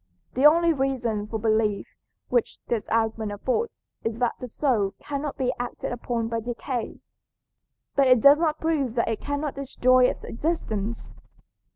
The only reason for belief which this argument affords is that the soul cannot be acted upon by decay. But it does not prove that it cannot destroy its existence.